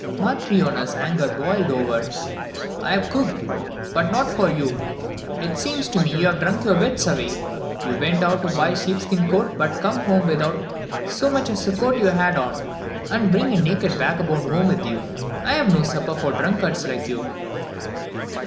Matryona's anger boiled over. "I've cooked, but not for you. It seems to me you have drunk your wits away. You went to buy a sheep skin coat, but come home without so much as the coat you had on, and bring a naked vagabond home with you. I have no supper for drunkards like you."